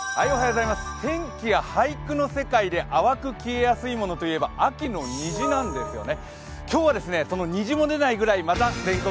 天気は俳句の世界で淡く消えやすいものといえば秋の虹なんですね。